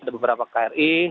ada beberapa kri